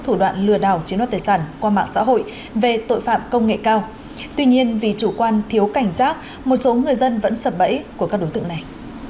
thủ đoạn lừa đảo chiếm đoạt tài sản qua mạng xã hội về tội phạm công nghệ cao tuy nhiên vì chủ quan thiếu cảnh giác một số người dân vẫn sập bẫy của các đối tượng này